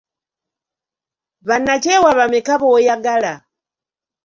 Bannakyewa bameka b'oyagala?